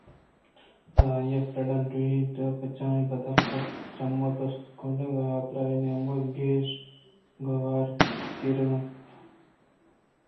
پدا آئیءَ فریڈا ٹوئینت ءُپچُانی بدل کنگ ءُچم ءُدست کنگ ءِحاترا اے نیمگ ءُکش ءُگور ءَ چارگ ءَ لگ اِت